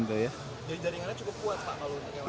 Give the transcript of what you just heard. jadi jaringannya cukup kuat pak